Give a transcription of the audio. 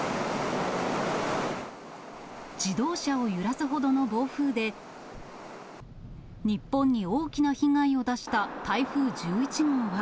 自動車を揺らすほどの暴風で、日本に大きな被害を出した台風１１号は。